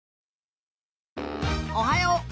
おはよう。